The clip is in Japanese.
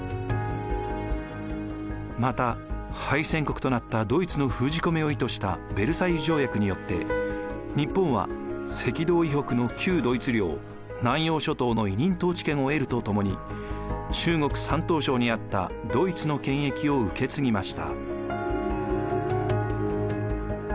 また敗戦国となったドイツの封じ込めを意図したヴェルサイユ条約によって日本は赤道以北の旧ドイツ領南洋諸島の委任統治権を得るとともに中国・山東省にあったドイツの権益を受け継ぎました。